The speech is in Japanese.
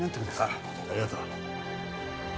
あっありがとう。